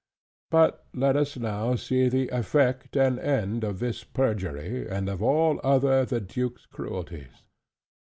But let us now see the effect and end of this perjury and of all other the Duke's cruelties.